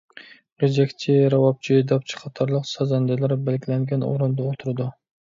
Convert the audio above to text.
غېجەكچى، راۋابچى، داپچى قاتارلىق سازەندىلەر بەلگىلەنگەن ئورۇندا ئولتۇرىدۇ.